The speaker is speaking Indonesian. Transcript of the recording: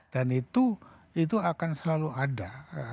dan itu akan selalu ada